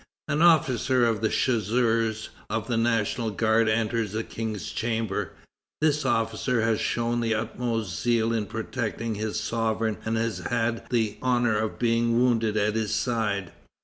An officer of Chasseurs of the National Guard enters the King's chamber. This officer had shown the utmost zeal in protecting his sovereign and had had the honor of being wounded at his side.